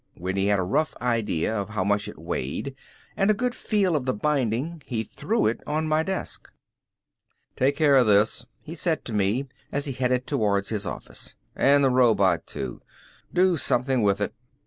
When he had a rough idea of how much it weighed and a good feel of the binding he threw it on my desk. "Take care of this," he said to me as he headed towards his office. "And the robot, too. Do something with it."